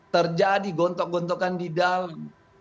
terjadi gontok gontokan di dalam